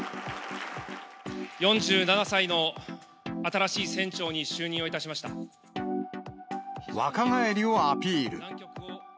４７歳の新しい船長に就任を若返りをアピール。